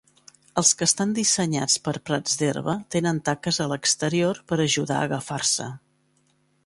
Els que estan dissenyats per a prats d'herba tenen taques a l'exterior per ajudar a agafar-se.